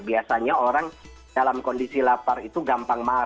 biasanya orang dalam kondisi lapar itu gampang